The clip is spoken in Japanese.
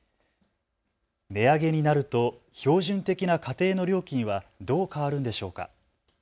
値上げになると標準的な家庭の料金はどう変わるのでしょうか。